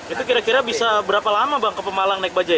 itu kira kira bisa berapa lama bang ke pemalang naik bajaj